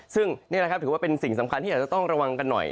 ซึ่งนี่แหละครับถือว่าเป็นสิ่งสำคัญที่อาจจะต้องระวังกันหน่อย